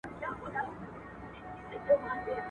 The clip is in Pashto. o چي په ناز لوئېږي، په زيار زړېږي.